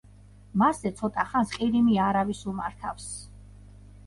მასზე ცოტა ხანს ყირიმი არავის უმართავს.